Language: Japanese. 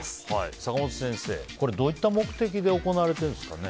坂本先生、これはどういった目的で使われているんですか。